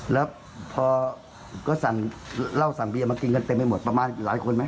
แล้วพอก็เล่าสั่งเบียนมากินกันเต็มให้หมดประมาณหลายคนไหม